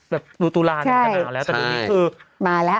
แบบดูตุลานแล้วท่านกันหนาวแล้วแต่เดี๋ยวนี้คือมาแล้ว